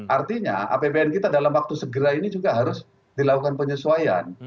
artinya apbn kita dalam waktu segera ini juga harus dilakukan penyesuaian